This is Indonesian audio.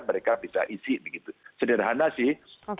mereka bisa isi begitu sederhana sih